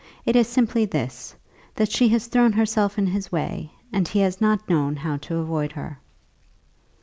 It is simply this, that she has thrown herself in his way, and he has not known how to avoid her."